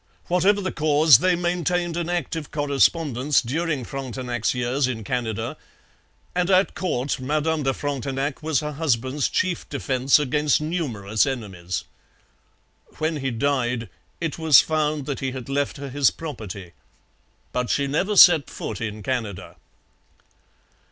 Whatever the cause, they maintained an active correspondence during Frontenac's years in Canada, and at court Madame de Frontenac was her husband's chief defence against numerous enemies. When he died it was found that he had left her his property. But she never set foot in Canada.